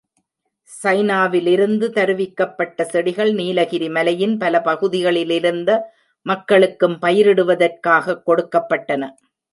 சைனாவிலிருந்து தருவிக்கப்பட்ட செடிகள் நீலகிரி மலையின் பல பகுதியிலிருந்த மக்களுக்கும் பயிரிடுவதற்காகக் கொடுக்கப்பட்டன.